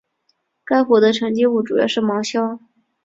该湖的沉积物主要是芒硝。